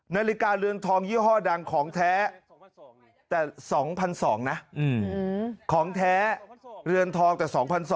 นาฬิกาเรือนทองยี่ห้อดังของแท้แต่๒๒๐๐นะของแท้เรือนทองแต่๒๒๐๐